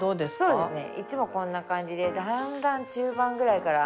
そうですね。